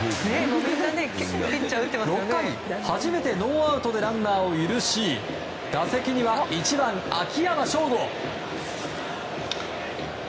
６回、初めてノーアウトでランナーを許し打席には１番、秋山翔吾。